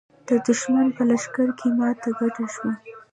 د دښمن په لښکر کې ماته ګډه شوه.